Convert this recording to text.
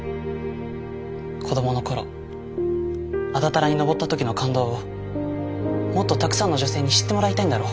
子供の頃安達太良に登った時の感動をもっとたくさんの女性に知ってもらいたいんだろ？